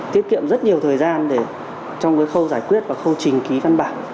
tiết kiệm rất nhiều thời gian để trong khâu giải quyết và khâu trình ký văn bản